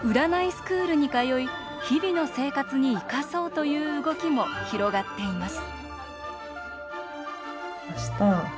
スクールに通い日々の生活に生かそうという動きも広がっています。